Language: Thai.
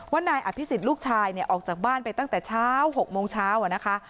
ว่านายอภิสิทธิ์ลูกชายเนี่ยออกจากบ้านไปตั้งแต่เช้าหกโมงเช้าอะนะคะ